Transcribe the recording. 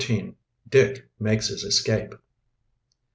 DICK MAKES HIS ESCAPE.